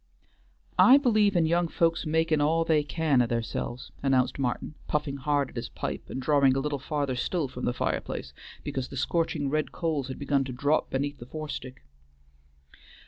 "I believe in young folks makin' all they can o' theirselves," announced Martin, puffing hard at his pipe and drawing a little farther still from the fireplace, because the scorching red coals had begun to drop beneath the forestick.